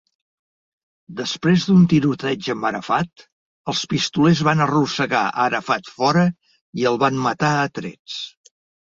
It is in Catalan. Després d'un tiroteig amb Arafat, els pistolers van arrossegar Arafat fora i el van matar a trets.